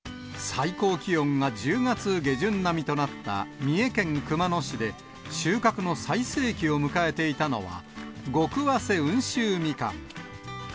最高気温が１０月下旬並みとなった三重県熊野市で収穫の最盛期を迎えていたのは、極早生温州みかん。